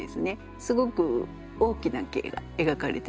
すごく大きな景が描かれてると思います。